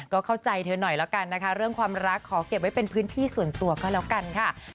ก็เข้าใจเธอหน่อยแล้วกันนะคะเรื่องความรักขอเก็บไว้เป็นพื้นที่ส่วนตัวก็แล้วกันค่ะ